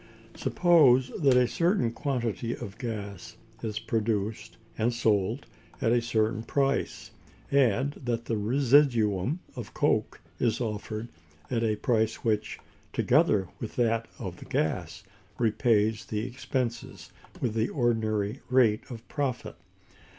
Suppose that a certain quantity of gas is produced and sold at a certain price, and that the residuum of coke is offered at a price which, together with that of the gas, repays the expenses with the ordinary rate of profit.